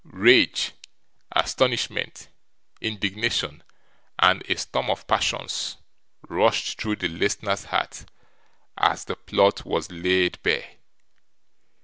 Rage, astonishment, indignation, and a storm of passions, rushed through the listener's heart, as the plot was laid bare.